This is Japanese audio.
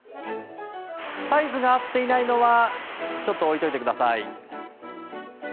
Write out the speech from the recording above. サイズが合っていないのはちょっと置いておいてください。